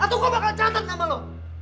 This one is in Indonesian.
atau gue bakal catat nama lo